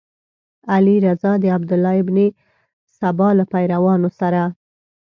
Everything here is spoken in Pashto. علي رض د عبدالله بن سبا له پیروانو سره.